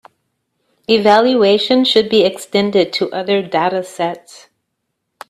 Evaluation should be extended to other datasets.